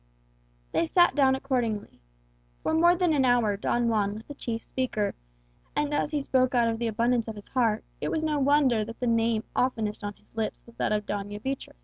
They sat down accordingly. For more than an hour Don Juan was the chief speaker; and as he spoke out of the abundance of his heart, it was no wonder that the name oftenest on his lips was that of Doña Beatriz.